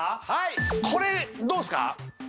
はいこれどうですか？